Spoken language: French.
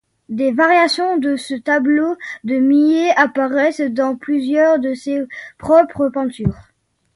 Des variations de ce tableau de Millet apparaissent dans plusieurs de ses propres peintures.